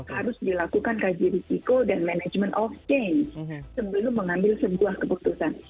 harus dilakukan kaji risiko dan management of change sebelum mengambil sebuah keputusan